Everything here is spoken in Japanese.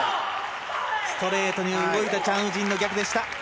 ストレートに動いてチャン・ウジンの逆でした。